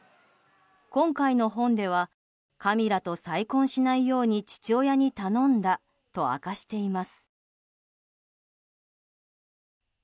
今回の本ではカミラと再婚しないように父親に頼んだと明かしています。